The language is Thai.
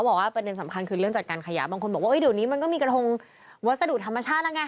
บางคนบอกว่าเดี๋ยวนี้มันก็มีกระทงวัสดุธรรมชาตินะฮะ